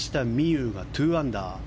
有が２アンダー。